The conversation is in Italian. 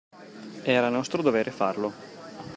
Era nostro dovere farlo.